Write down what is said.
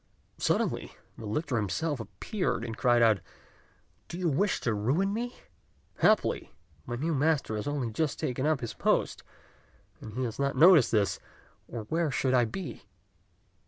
Suddenly the lictor himself appeared, and cried out, "Do you wish to ruin me? Happily my new master has only just taken up his post, and he has not noticed this, or where should I be?"